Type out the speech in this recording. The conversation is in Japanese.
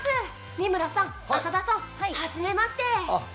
三村さん、浅田さん、初めまして！